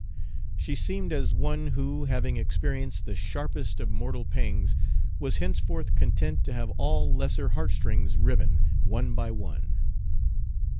She seemed as one who, having experienced the sharpest of mortal pangs, was henceforth content to have all lesser heartstrings riven, one by one.